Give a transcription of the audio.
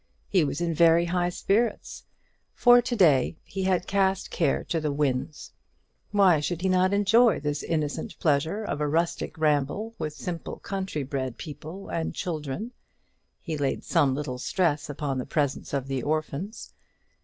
He was in very high spirits; for to day he had cast care to the winds. Why should he not enjoy this innocent pleasure of a rustic ramble with simple country bred people and children? He laid some little stress upon the presence of the orphans.